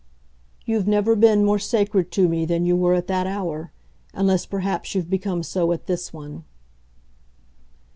"You've never been more sacred to me than you were at that hour unless perhaps you've become so at this one."